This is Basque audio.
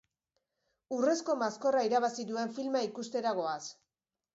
Urrezko maskorra irabazi duen filma ikustera goaz.